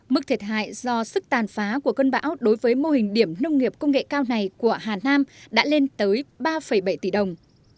mức thiệt hại do sức tàn phá của cơn bão đối với mô hình điểm nông nghiệp công nghệ cao này của hà nam đã lên tới ba bảy tỷ đồng